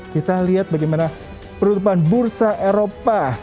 kita lihat bagaimana penutupan bursa eropa